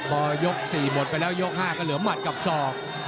ปอกยกสี่หมดไปแล้วยกห้าก็เหลือหมันกับซอง